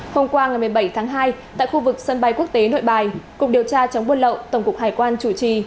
hôm qua ngày một mươi bảy tháng hai tại khu vực sân bay quốc tế nội bài cục điều tra chống buôn lậu tổng cục hải quan chủ trì